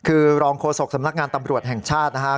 คือรองโฆษกสำนักงานตำรวจแห่งชาตินะครับ